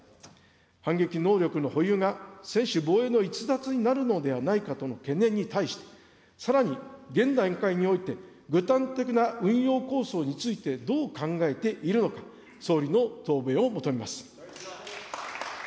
反撃能力の保有が専守防衛の逸脱になるのではないかとの懸念に対して、さらに現段階において、具体的な運用構想についてどう考えているのか、総理の答弁を求めます。